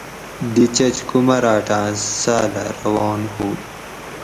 دی چچ کُمراۤٹاۤں ساۤلہ روان ہُو